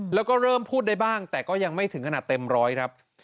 แล้วก็เริ่มพูดได้บ้างแต่ก็ยังไม่ถึงขนาดเต็มร้อยครับ